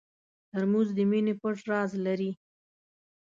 ترموز د مینې پټ راز لري.